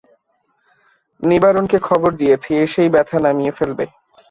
নিবারণকে খবর দিয়েছি, এসেই ব্যথা নামিয়ে ফেলবে।